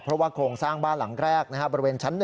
เพราะว่าโครงสร้างบ้านหลังแรกบริเวณชั้น๑